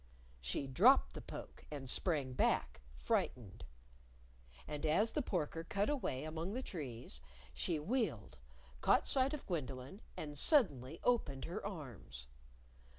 She dropped the poke and sprang back, frightened. And as the porker cut away among the trees, she wheeled, caught sight of Gwendolyn, and suddenly opened her arms.